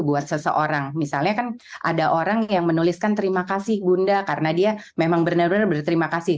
buat seseorang misalnya kan ada orang yang menuliskan terima kasih bunda karena dia memang benar benar berterima kasih